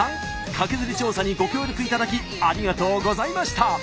カケズリ調査にご協力いただきありがとうございました。